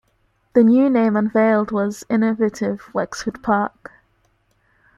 The new name unveiled was Innovate Wexford Park.